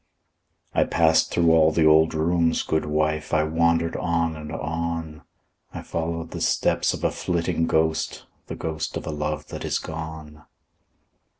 I passed through all the old rooms, good wife; I wandered on and on; I followed the steps of a flitting ghost, The ghost of a love that is gone.